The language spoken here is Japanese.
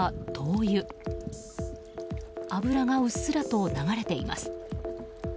油がうっすらと流れています。